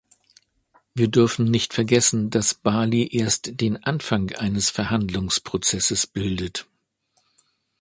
Wir dürfen nicht vergessen, dass Bali erst den Anfang eines Verhandlungsprozesses bildet.